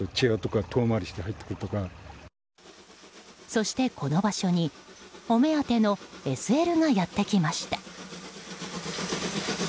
そして、この場所にお目当てのＳＬがやってきました。